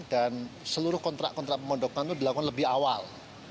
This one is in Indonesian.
dan seluruh kontrak kontrak pemondokan itu dilakukan lebih awal